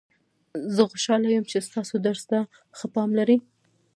زه خوشحاله یم چې تاسو درس ته ښه پام لرئ